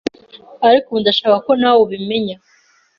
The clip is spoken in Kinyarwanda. Ariko ubu ndashaka ko nawe ubimenya